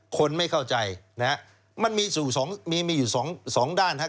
คนไม่เข้าใจมันมีอยู่๒ด้านครับ